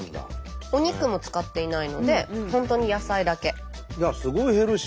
お肉も使っていないので本当に野菜だけ。